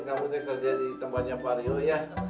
kamu kerja di tempatnya pak rio ya